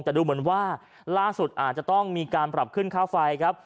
แต่ดูเหมือนว่าล่าสุดอาจจะต้องมีการปรับขึ้นค่าไฟครับ